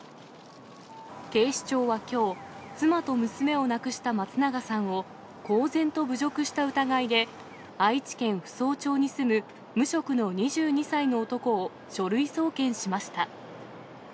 警視庁はきょう、妻と娘を亡くした松永さんを、公然と侮辱した疑いで、愛知県扶桑町に住む無職の２２歳の男を書類送検しました。